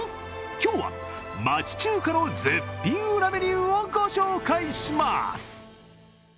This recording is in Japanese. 今日は町中華の絶品裏メニューを紹介します。